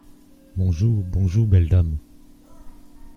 Bonjou, bonjou, belle dame.